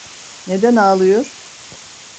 Neden ağlıyor?